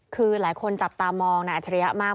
คือหลายคนจับตามองนายอัจฉริยะมาก